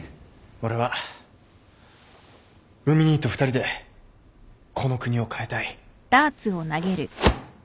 俺は海兄と２人でこの国を変えたい。